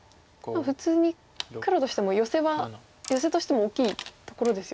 普通に黒としてもヨセはヨセとしても大きいところですよね。